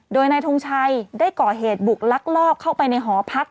โดยนายทงชัยได้ก่อเหตุบุกลักลอบเข้าไปในหอพัก